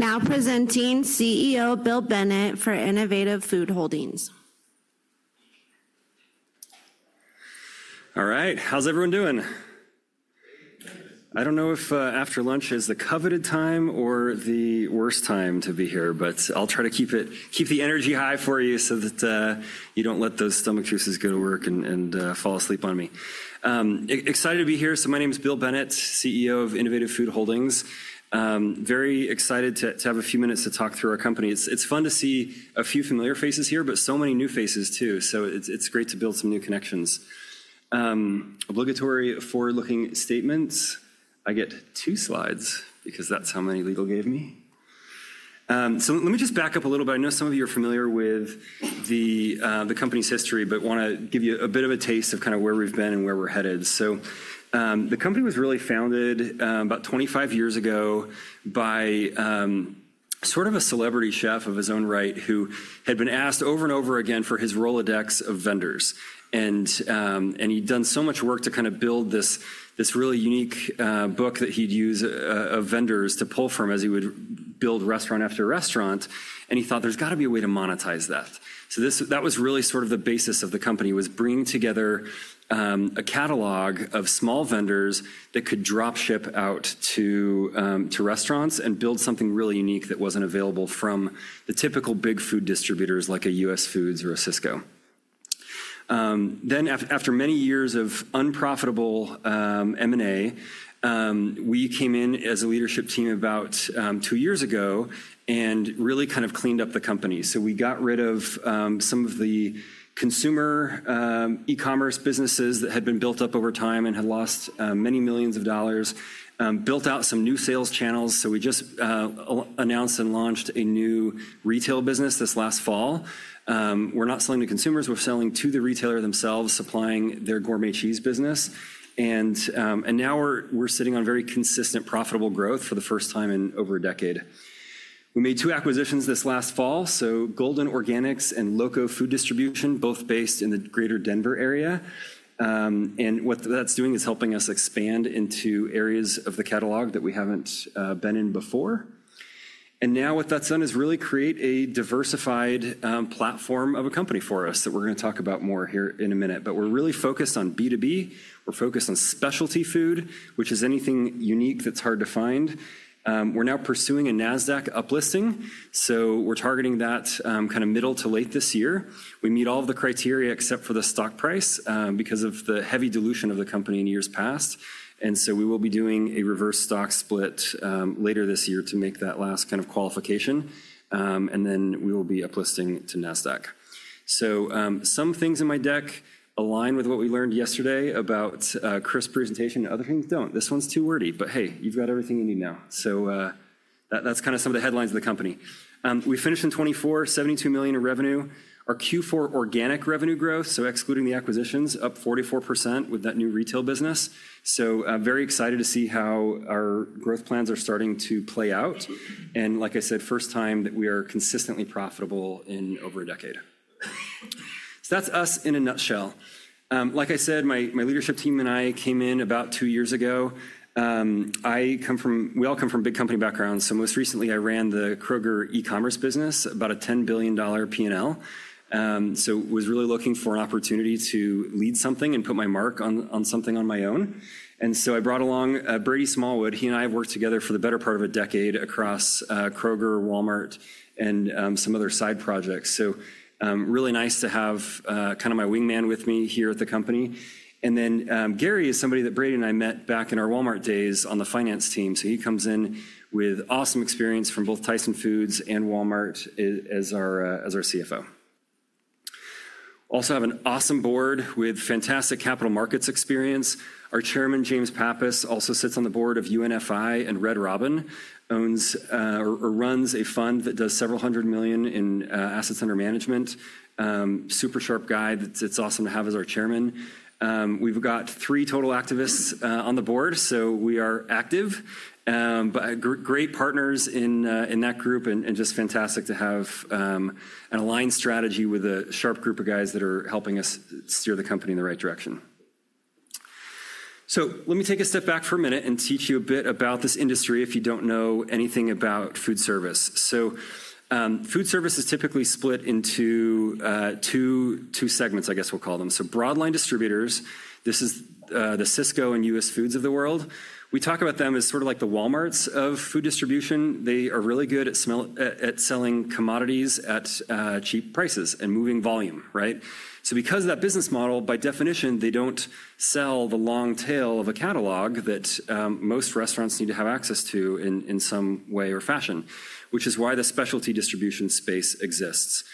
Now presenting CEO Bill Bennett for Innovative Food Holdings. All right, how's everyone doing? I don't know if after lunch is the coveted time or the worst time to be here, but I'll try to keep the energy high for you so that you don't let those stomach juices go to work and fall asleep on me. Excited to be here. My name is Bill Bennett, CEO of Innovative Food Holdings. Very excited to have a few minutes to talk through our company. It's fun to see a few familiar faces here, but so many new faces too. It's great to build some new connections. Obligatory forward-looking statements. I get two slides because that's how many Legal gave me. Let me just back up a little bit. I know some of you are familiar with the company's history, but want to give you a bit of a taste of kind of where we've been and where we're headed. The company was really founded about 25 years ago by sort of a celebrity chef of his own right who had been asked over and over again for his rolodex of vendors. He'd done so much work to kind of build this really unique book that he'd use vendors to pull from as he would build restaurant after restaurant. He thought there's got to be a way to monetize that. That was really sort of the basis of the company, was bringing together a catalog of small vendors that could dropship out to restaurants and build something really unique that was not available from the typical big food distributors like a US Foods or a Sysco. After many years of unprofitable M&A, we came in as a leadership team about two years ago and really kind of cleaned up the company. We got rid of some of the consumer e-commerce businesses that had been built up over time and had lost many millions of dollars, built out some new sales channels. We just announced and launched a new retail business this last fall. We are not selling to consumers. We are selling to the retailer themselves, supplying their gourmet cheese business. Now we are sitting on very consistent profitable growth for the first time in over a decade. We made two acquisitions this last fall, Golden Organics and LoCo Food Distribution, both based in the greater Denver area. What that is doing is helping us expand into areas of the catalog that we have not been in before. What that has done is really create a diversified platform of a company for us that we are going to talk about more here in a minute. We are really focused on B2B. We are focused on specialty food, which is anything unique that is hard to find. We are now pursuing a NASDAQ uplisting. We are targeting that kind of middle to late this year. We meet all of the criteria except for the stock price because of the heavy dilution of the company in years past. We will be doing a reverse stock split later this year to make that last kind of qualification. We will be uplisting to NASDAQ. Some things in my deck align with what we learned yesterday about Chris's presentation. Other things do not. This one's too wordy, but hey, you've got everything you need now. That is kind of some of the headlines of the company. We finished in 2024, $72 million in revenue. Our Q4 organic revenue growth, so excluding the acquisitions, was up 44% with that new retail business. Very excited to see how our growth plans are starting to play out. Like I said, first time that we are consistently profitable in over a decade. That is us in a nutshell. Like I said, my leadership team and I came in about two years ago. We all come from big company backgrounds. Most recently, I ran the Kroger e-commerce business, about a $10 billion P&L. I was really looking for an opportunity to lead something and put my mark on something on my own. I brought along Brady Smallwood. He and I have worked together for the better part of a decade across Kroger, Walmart, and some other side projects. Really nice to have kind of my wingman with me here at the company. Gary is somebody that Brady and I met back in our Walmart days on the finance team. He comes in with awesome experience from both Tyson Foods and Walmart as our CFO. Also have an awesome board with fantastic capital markets experience. Our chairman, James Pappas, also sits on the board of UNFI and Red Robin, owns or runs a fund that does several hundred million in assets under management. Super sharp guy. It's awesome to have as our chairman. We've got three total activists on the board, so we are active, but great partners in that group and just fantastic to have an aligned strategy with a sharp group of guys that are helping us steer the company in the right direction. Let me take a step back for a minute and teach you a bit about this industry if you don't know anything about food service. Food service is typically split into two segments, I guess we'll call them. Broadline distributors, this is the Sysco and US Foods of the world. We talk about them as sort of like the Walmarts of food distribution. They are really good at selling commodities at cheap prices and moving volume, right? Because of that business model, by definition, they don't sell the long tail of a catalog that most restaurants need to have access to in some way or fashion, which is why the specialty distribution space exists.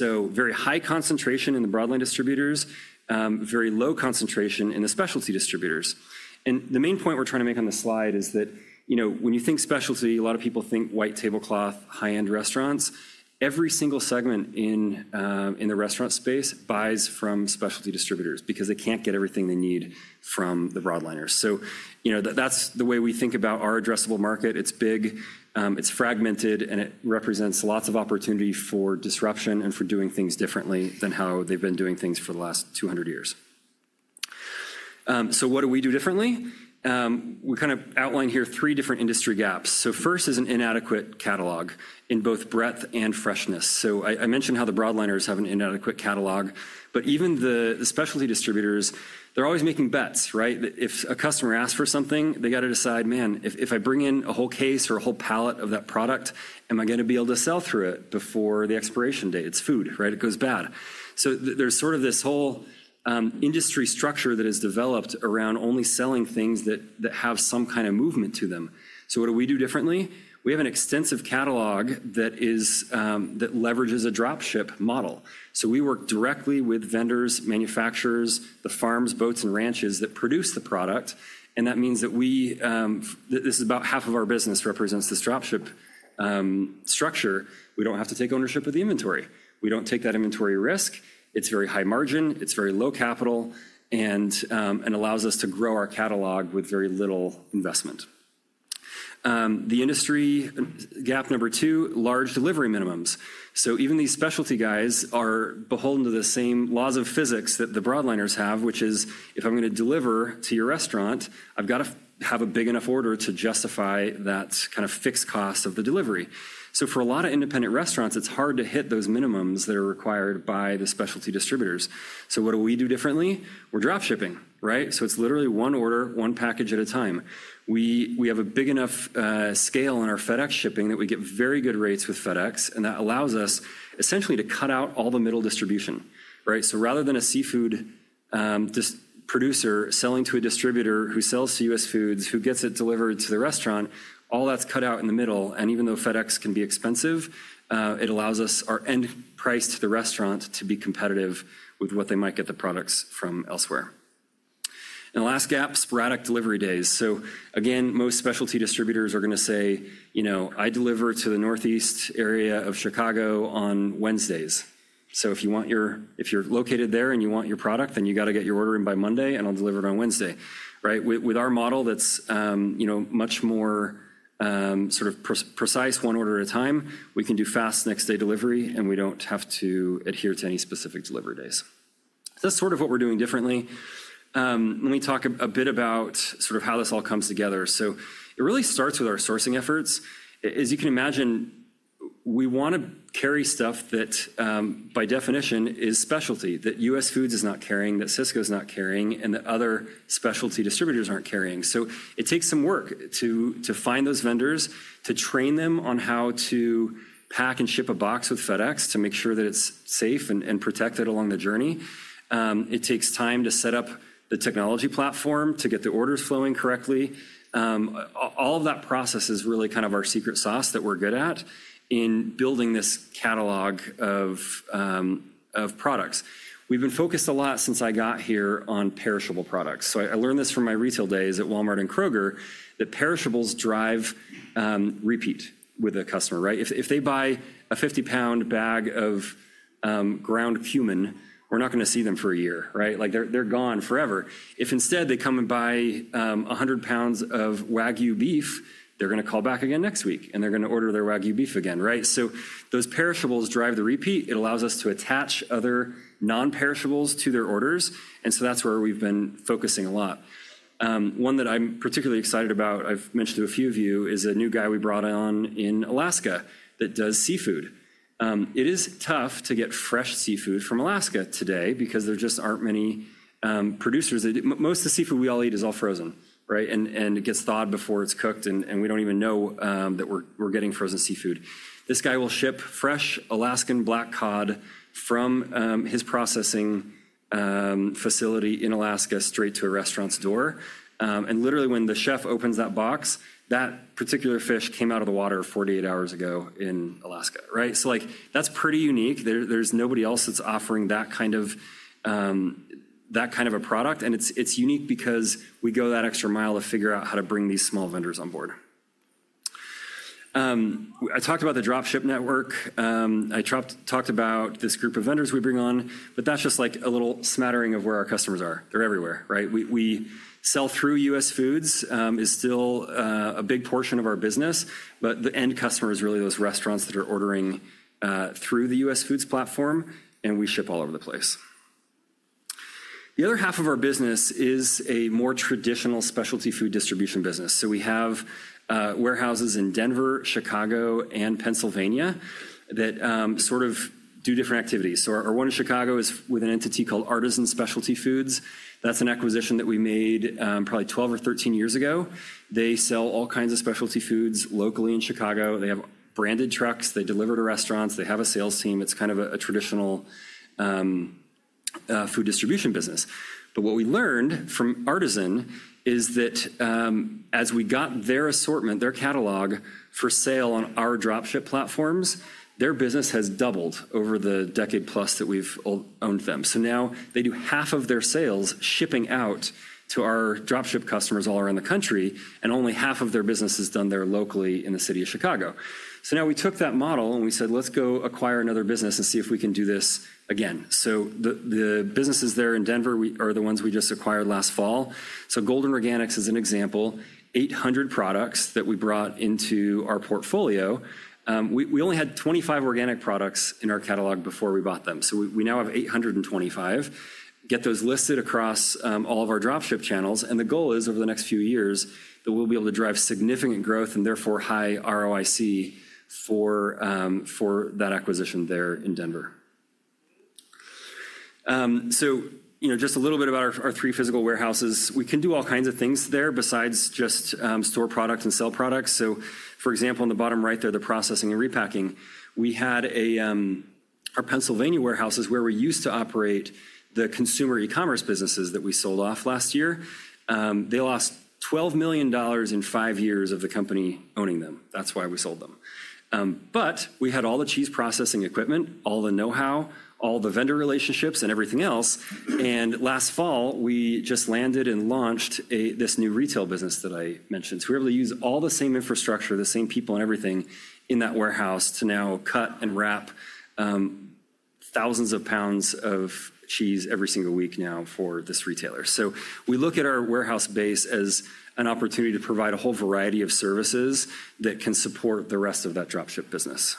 Very high concentration in the broadline distributors, very low concentration in the specialty distributors. The main point we're trying to make on the slide is that when you think specialty, a lot of people think white tablecloth, high-end restaurants. Every single segment in the restaurant space buys from specialty distributors because they can't get everything they need from the broadliners. That's the way we think about our addressable market. It's big, it's fragmented, and it represents lots of opportunity for disruption and for doing things differently than how they've been doing things for the last 200 years. What do we do differently? We kind of outline here three different industry gaps. First is an inadequate catalog in both breadth and freshness. I mentioned how the broadliners have an inadequate catalog, but even the specialty distributors, they're always making bets, right? If a customer asks for something, they got to decide, man, if I bring in a whole case or a whole pallet of that product, am I going to be able to sell through it before the expiration date? It's food, right? It goes bad. There is sort of this whole industry structure that is developed around only selling things that have some kind of movement to them. What do we do differently? We have an extensive catalog that leverages a dropship model. We work directly with vendors, manufacturers, the farms, boats, and ranches that produce the product. That means that this is about half of our business represents this dropship structure. We don't have to take ownership of the inventory. We don't take that inventory risk. It's very high margin. It's very low capital and allows us to grow our catalog with very little investment. The industry gap number two, large delivery minimums. Even these specialty guys are beholden to the same laws of physics that the broadliners have, which is if I'm going to deliver to your restaurant, I've got to have a big enough order to justify that kind of fixed cost of the delivery. For a lot of independent restaurants, it's hard to hit those minimums that are required by the specialty distributors. What do we do differently? We're dropshipping, right? It's literally one order, one package at a time. We have a big enough scale in our FedEx shipping that we get very good rates with FedEx. That allows us essentially to cut out all the middle distribution, right? Rather than a seafood producer selling to a distributor who sells to US Foods, who gets it delivered to the restaurant, all that's cut out in the middle. Even though FedEx can be expensive, it allows us our end price to the restaurant to be competitive with what they might get the products from elsewhere. The last gap, sporadic delivery days. Most specialty distributors are going to say, "I deliver to the northeast area of Chicago on Wednesdays." If you're located there and you want your product, then you got to get your order in by Monday and I'll deliver it on Wednesday, right? With our model that's much more sort of precise one order at a time, we can do fast next-day delivery and we don't have to adhere to any specific delivery days. That's sort of what we're doing differently. Let me talk a bit about sort of how this all comes together. It really starts with our sourcing efforts. As you can imagine, we want to carry stuff that by definition is specialty, that US Foods is not carrying, that Sysco is not carrying, and that other specialty distributors aren't carrying. It takes some work to find those vendors, to train them on how to pack and ship a box with FedEx to make sure that it's safe and protected along the journey. It takes time to set up the technology platform to get the orders flowing correctly. All of that process is really kind of our secret sauce that we're good at in building this catalog of products. We've been focused a lot since I got here on perishable products. I learned this from my retail days at Walmart and Kroger that perishables drive repeat with a customer, right? If they buy a 50 lb bag of ground cumin, we're not going to see them for a year, right? They're gone forever. If instead they come and buy 100 lb of Wagyu beef, they're going to call back again next week and they're going to order their Wagyu beef again, right? Those perishables drive the repeat. It allows us to attach other non-perishables to their orders. That is where we've been focusing a lot. One that I'm particularly excited about, I've mentioned to a few of you, is a new guy we brought on in Alaska that does seafood. It is tough to get fresh seafood from Alaska today because there just aren't many producers. Most of the seafood we all eat is all frozen, right? It gets thawed before it's cooked and we don't even know that we're getting frozen seafood. This guy will ship fresh Alaskan black cod from his processing facility in Alaska straight to a restaurant's door. Literally, when the chef opens that box, that particular fish came out of the water 48 hours ago in Alaska, right? That's pretty unique. There's nobody else that's offering that kind of a product. It's unique because we go that extra mile to figure out how to bring these small vendors on board. I talked about the dropship network. I talked about this group of vendors we bring on, but that's just like a little smattering of where our customers are. They're everywhere, right? We sell through US Foods, which is still a big portion of our business, but the end customer is really those restaurants that are ordering through the US Foods platform and we ship all over the place. The other half of our business is a more traditional specialty food distribution business. We have warehouses in Denver, Chicago, and Pennsylvania that sort of do different activities. Our one in Chicago is with an entity called Artisan Specialty Foods. That's an acquisition that we made probably 12 or 13 years ago. They sell all kinds of specialty foods locally in Chicago. They have branded trucks. They deliver to restaurants. They have a sales team. It's kind of a traditional food distribution business. What we learned from Artisan is that as we got their assortment, their catalog for sale on our dropship platforms, their business has doubled over the decade plus that we've owned them. Now they do half of their sales shipping out to our dropship customers all around the country, and only half of their business is done there locally in the city of Chicago. Now we took that model and we said, "Let's go acquire another business and see if we can do this again." The businesses there in Denver are the ones we just acquired last fall. Golden Organics is an example, 800 products that we brought into our portfolio. We only had 25 organic products in our catalog before we bought them. We now have 825. Get those listed across all of our dropship channels. The goal is over the next few years that we'll be able to drive significant growth and therefore high ROIC for that acquisition there in Denver. Just a little bit about our three physical warehouses. We can do all kinds of things there besides just store products and sell products. For example, on the bottom right there, the processing and repacking, we had our Pennsylvania warehouses where we used to operate the consumer e-commerce businesses that we sold off last year. They lost $12 million in five years of the company owning them. That's why we sold them. We had all the cheese processing equipment, all the know-how, all the vendor relationships and everything else. Last fall, we just landed and launched this new retail business that I mentioned. We were able to use all the same infrastructure, the same people and everything in that warehouse to now cut and wrap thousands of pounds of cheese every single week now for this retailer. We look at our warehouse base as an opportunity to provide a whole variety of services that can support the rest of that dropship business.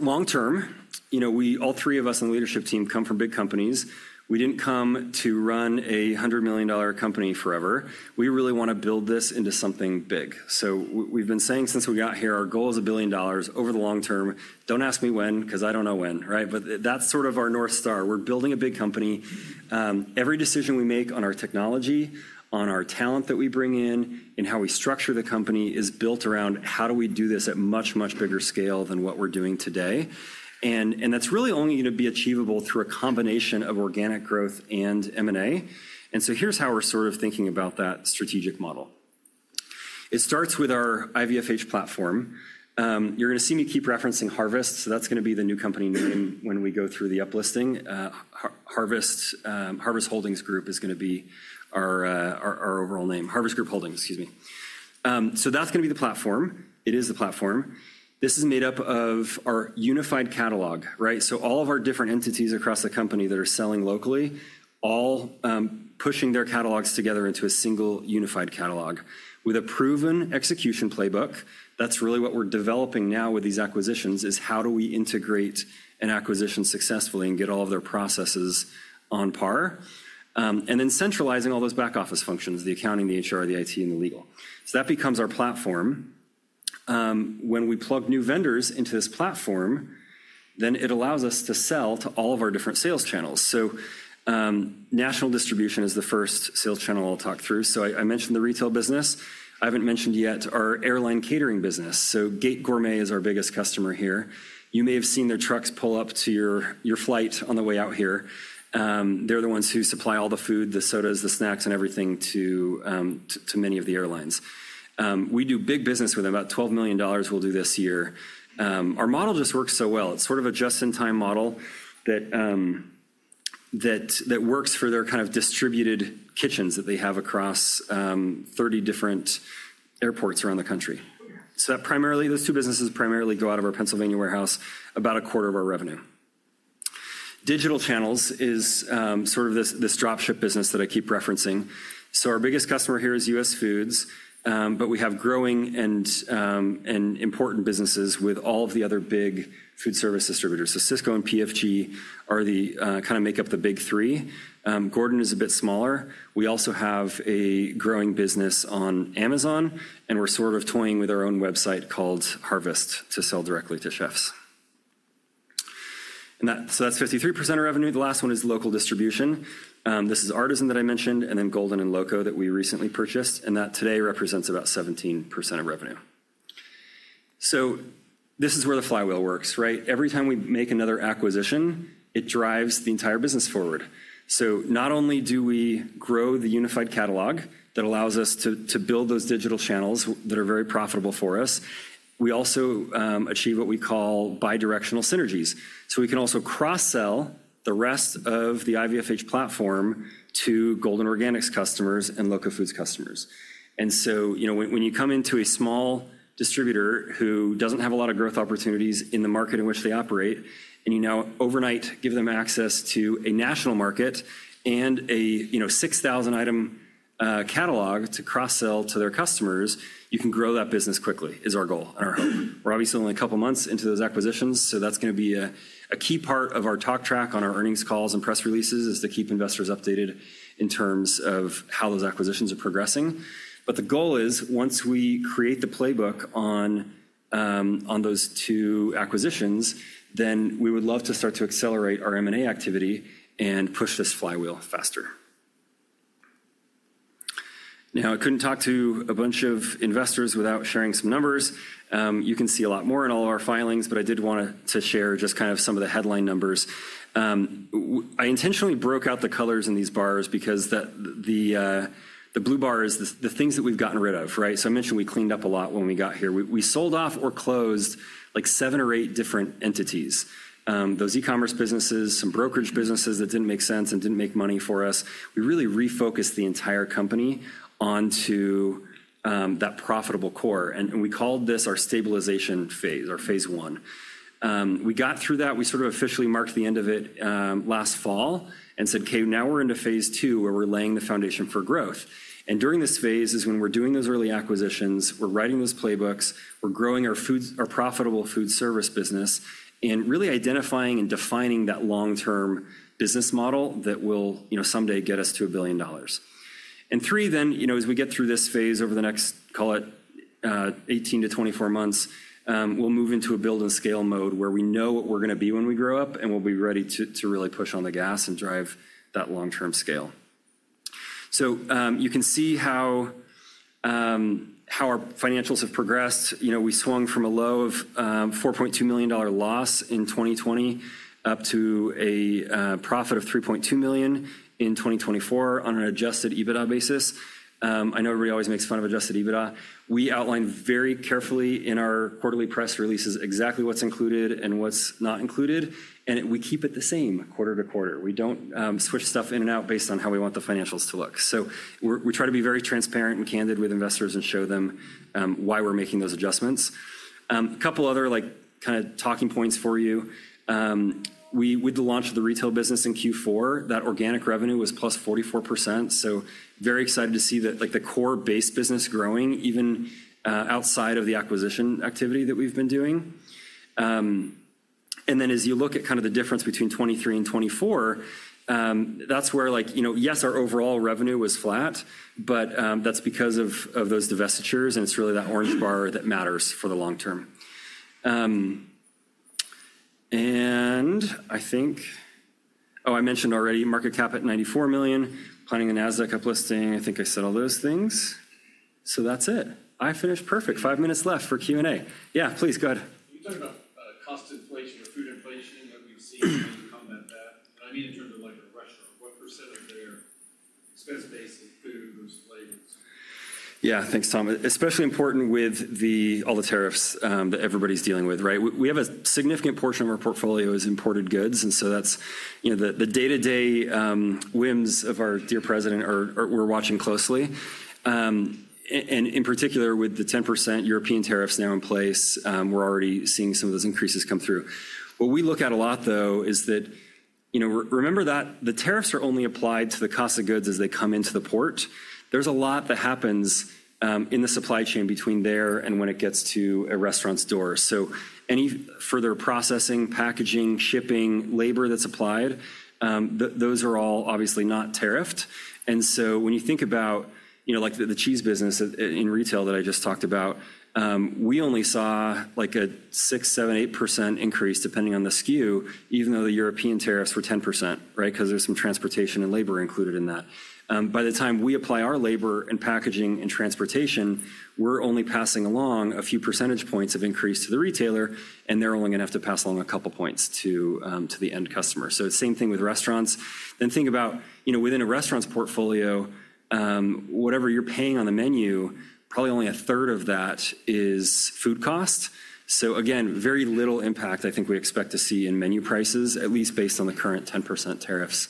Long term, all three of us on the leadership team come from big companies. We didn't come to run a $100 million company forever. We really want to build this into something big. We've been saying since we got here, our goal is a billion dollars over the long term. Don't ask me when because I don't know when, right? That's sort of our north star. We're building a big company. Every decision we make on our technology, on our talent that we bring in, and how we structure the company is built around how do we do this at much, much bigger scale than what we're doing today. That's really only going to be achievable through a combination of organic growth and M&A. Here's how we're sort of thinking about that strategic model. It starts with our IVFH platform. You're going to see me keep referencing Harvest. That's going to be the new company name when we go through the uplisting. Harvest Holdings Group is going to be our overall name. Harvest Group Holdings, excuse me. That's going to be the platform. It is the platform. This is made up of our unified catalog, right? All of our different entities across the company that are selling locally, all pushing their catalogs together into a single unified catalog with a proven execution playbook. That's really what we're developing now with these acquisitions is how do we integrate an acquisition successfully and get all of their processes on par. Then centralizing all those back office functions, the accounting, the HR, the IT, and the legal. That becomes our platform. When we plug new vendors into this platform, it allows us to sell to all of our different sales channels. National distribution is the first sales channel I'll talk through. I mentioned the retail business. I haven't mentioned yet our airline catering business. Gate Gourmet is our biggest customer here. You may have seen their trucks pull up to your flight on the way out here. They're the ones who supply all the food, the sodas, the snacks, and everything to many of the airlines. We do big business with them. About $12 million we'll do this year. Our model just works so well. It's sort of a just-in-time model that works for their kind of distributed kitchens that they have across 30 different airports around the country. Those two businesses primarily go out of our Pennsylvania warehouse, about a quarter of our revenue. Digital channels is sort of this dropship business that I keep referencing. Our biggest customer here is US Foods, but we have growing and important businesses with all of the other big food service distributors. Sysco and PFG kind of make up the big three. Gordon is a bit smaller. We also have a growing business on Amazon, and we're sort of toying with our own website called Harvest to sell directly to chefs. That is 53% of revenue. The last one is local distribution. This is Artisan that I mentioned, and then Golden and LoCo that we recently purchased. That today represents about 17% of revenue. This is where the flywheel works, right? Every time we make another acquisition, it drives the entire business forward. Not only do we grow the unified catalog that allows us to build those digital channels that are very profitable for us, we also achieve what we call bidirectional synergies. We can also cross-sell the rest of the IVFH platform to Golden Organics customers and LoCo Foods customers. When you come into a small distributor who does not have a lot of growth opportunities in the market in which they operate, and you now overnight give them access to a national market and a 6,000-item catalog to cross-sell to their customers, you can grow that business quickly is our goal and our hope. We are obviously only a couple of months into those acquisitions, so that is going to be a key part of our talk track on our earnings calls and press releases to keep investors updated in terms of how those acquisitions are progressing. The goal is once we create the playbook on those two acquisitions, then we would love to start to accelerate our M&A activity and push this flywheel faster. I could not talk to a bunch of investors without sharing some numbers. You can see a lot more in all of our filings, but I did want to share just kind of some of the headline numbers. I intentionally broke out the colors in these bars because the blue bar is the things that we've gotten rid of, right? I mentioned we cleaned up a lot when we got here. We sold off or closed like seven or eight different entities, those e-commerce businesses, some brokerage businesses that didn't make sense and didn't make money for us. We really refocused the entire company onto that profitable core. We called this our stabilization phase or phase one. We got through that. We sort of officially marked the end of it last fall and said, "Okay, now we're into phase II where we're laying the foundation for growth." During this phase is when we're doing those early acquisitions, we're writing those playbooks, we're growing our profitable food service business, and really identifying and defining that long-term business model that will someday get us to a billion dollars. Three, then as we get through this phase over the next, call it 18 months-24 months, we'll move into a build and scale mode where we know what we're going to be when we grow up and we'll be ready to really push on the gas and drive that long-term scale. You can see how our financials have progressed. We swung from a low of $4.2 million loss in 2020 up to a profit of $3.2 million in 2024 on an adjusted EBITDA basis. I know everybody always makes fun of adjusted EBITDA. We outline very carefully in our quarterly press releases exactly what's included and what's not included. We keep it the same quarter to quarter. We don't switch stuff in and out based on how we want the financials to look. We try to be very transparent and candid with investors and show them why we're making those adjustments. A couple of other kind of talking points for you. With the launch of the retail business in Q4, that organic revenue was plus 44%. Very excited to see the core base business growing even outside of the acquisition activity that we've been doing. As you look at kind of the difference between 2023 and 2024, that's where, yes, our overall revenue was flat, but that's because of those divestitures. It's really that orange bar that matters for the long term. I think, oh, I mentioned already market cap at $94 million, planning a NASDAQ uplisting. I think I said all those things. That's it. I finished perfect. Five minutes left for Q&A. Yeah, please, go ahead. Can you talk about cost inflation or food inflation that we've seen come back? What I mean in terms of like a restaurant, what percent of their expense base is food versus flavors? Yeah, thanks, Tom. Especially important with all the tariffs that everybody's dealing with, right? We have a significant portion of our portfolio is imported goods. That's the day-to-day whims of our dear president we're watching closely. In particular, with the 10% European tariffs now in place, we're already seeing some of those increases come through. What we look at a lot, though, is that remember that the tariffs are only applied to the cost of goods as they come into the port. There's a lot that happens in the supply chain between there and when it gets to a restaurant's door. Any further processing, packaging, shipping, labor that's applied, those are all obviously not tariffed. When you think about the cheese business in retail that I just talked about, we only saw like a 6%-8% increase depending on the SKU, even though the European tariffs were 10%, right? Because there's some transportation and labor included in that. By the time we apply our labor and packaging and transportation, we're only passing along a few percentage points of increase to the retailer, and they're only going to have to pass along a couple of points to the end customer. Same thing with restaurants. Think about within a restaurant's portfolio, whatever you're paying on the menu, probably only a third of that is food cost. Again, very little impact I think we expect to see in menu prices, at least based on the current 10% tariffs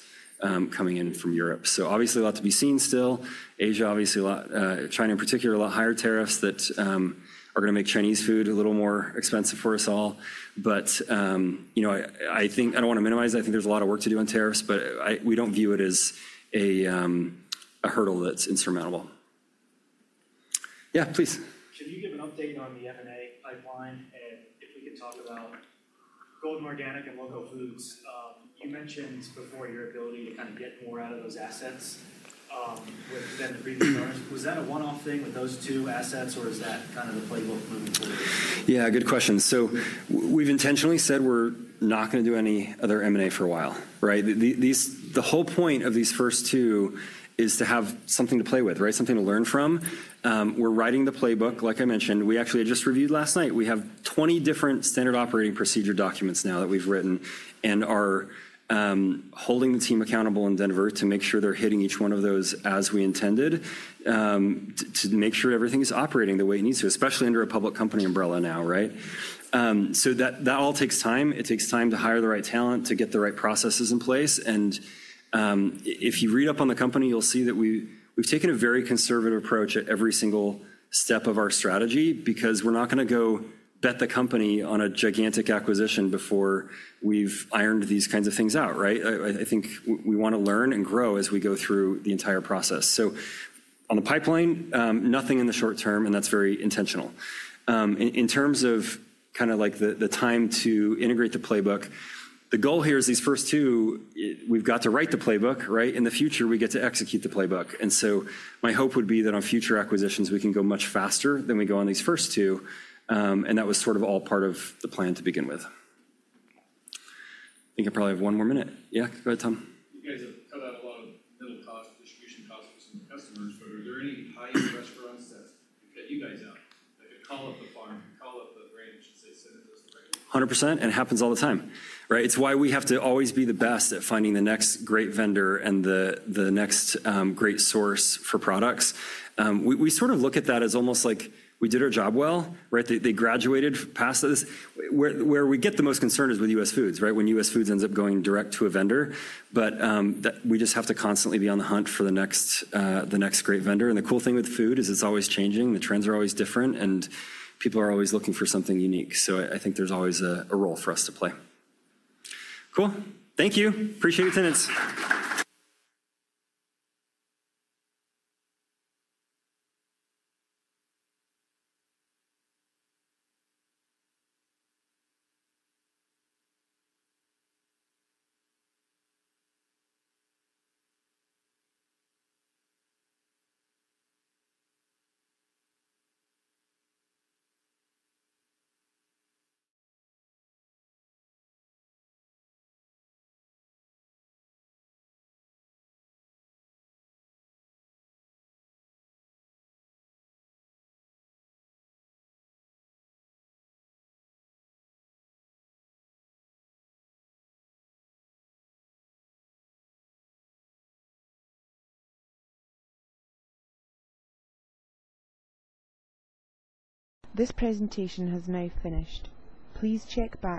coming in from Europe. Obviously a lot to be seen still. Asia, obviously, China in particular, a lot higher tariffs that are going to make Chinese food a little more expensive for us all. I don't want to minimize it. I think there's a lot of work to do on tariffs, but we don't view it as a hurdle that's insurmountable. Yeah, please. Can you give an update on the M&A pipeline and if we can talk about Golden Organics and LoCo Food Distribution? You mentioned before your ability to kind of get more out of those assets within the previous owners. Was that a one-off thing with those two assets, or is that kind of the playbook moving forward? Yeah, good question. We've intentionally said we're not going to do any other M&A for a while, right? The whole point of these first two is to have something to play with, right? Something to learn from. We're writing the playbook, like I mentioned. We actually just reviewed last night. We have 20 different standard operating procedure documents now that we've written and are holding the team accountable in Denver to make sure they're hitting each one of those as we intended to make sure everything is operating the way it needs to, especially under a public company umbrella now, right? That all takes time. It takes time to hire the right talent, to get the right processes in place. If you read up on the company, you'll see that we've taken a very conservative approach at every single step of our strategy because we're not going to go bet the company on a gigantic acquisition before we've ironed these kinds of things out, right? I think we want to learn and grow as we go through the entire process. On the pipeline, nothing in the short term, and that's very intentional. In terms of kind of like the time to integrate the playbook, the goal here is these first two, we've got to write the playbook, right? In the future, we get to execute the playbook. My hope would be that on future acquisitions, we can go much faster than we go on these first two. That was sort of all part of the plan to begin with. I think I probably have one more minute. Yeah, go ahead, Tom. You guys have cut out a lot of middle cost distribution costs for some of the customers, but are there any high-end restaurants that could cut you guys out that could call up the farm, call up the ranch and say, "Send us those directly"? 100%. It happens all the time, right? It's why we have to always be the best at finding the next great vendor and the next great source for products. We sort of look at that as almost like we did our job well, right? They graduated past this. Where we get the most concern is with US Foods, right? When US Foods ends up going direct to a vendor, but we just have to constantly be on the hunt for the next great vendor. The cool thing with food is it's always changing. The trends are always different, and people are always looking for something unique. I think there's always a role for us to play. Cool. Thank you. Appreciate attendance. This presentation has now finished. Please check back.